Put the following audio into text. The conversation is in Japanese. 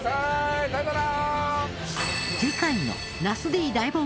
さようなら！